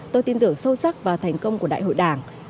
tôi tin tưởng sâu sắc vào thành công của đại hội đảng